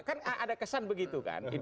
kan ada kesan begitu kan